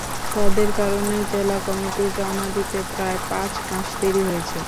তাঁদের কারণেই জেলা কমিটি জমা দিতে প্রায় পাঁচ মাস দেরি হয়েছে।